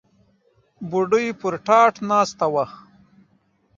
بوډۍ پر تاټ ناسته وه.